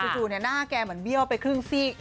จู่เนี้ยหน้าแกมันเบี้ยวไปครึ่งซีก